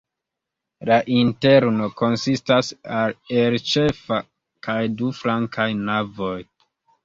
La interno konsistas el ĉefa kaj du flankaj navoj.